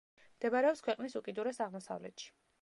მდებარეობს ქვეყნის უკიდურეს აღმოსავლეთში.